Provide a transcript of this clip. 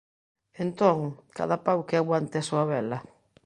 Entón, cada pau que aguante a súa vela.